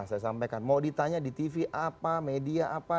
saya sampaikan mau ditanya di tv apa media apa